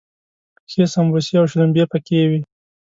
ښې سمبوسې او شلومبې پکې وي.